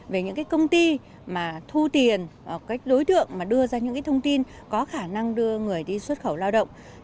về những công ty mà thu tiền đối tượng mà đưa ra những thông tin có khả năng đưa người đi xuất khẩu lao động